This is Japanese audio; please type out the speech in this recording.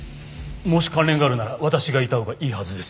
もし関連があるなら私がいたほうがいいはずです。